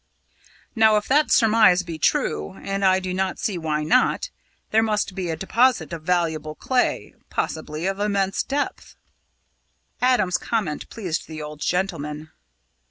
Now, if that surmise be true and I do not see why not there must be a deposit of valuable clay possibly of immense depth." Adam's comment pleased the old gentleman.